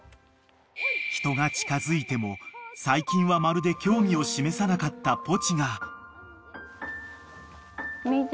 ［人が近づいても最近はまるで興味を示さなかったポチが］